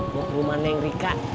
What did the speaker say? mau ke rumah neng rika